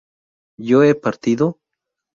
¿yo he partido?